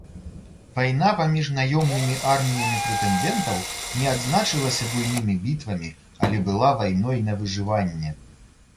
Вайна паміж наёмнымі арміямі прэтэндэнтаў не адзначылася буйнымі бітвамі, але была вайной на выжыванне.